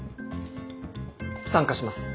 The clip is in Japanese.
参加します。